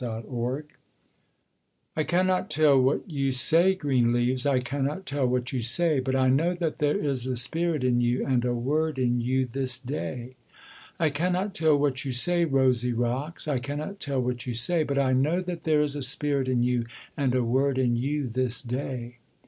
DARTSIDE I cannot tell what you say, green leaves, I cannot tell what you say: But I know that there is a spirit in you, And a word in you this day. I cannot tell what you say, rosy rocks, I cannot tell what you say: But I know that there is a spirit in you, And a word in you this day.